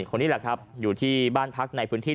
คนนี้แหละครับอยู่ที่บ้านพักในพื้นที่